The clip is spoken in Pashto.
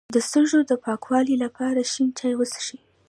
د سږو د پاکوالي لپاره شین چای وڅښئ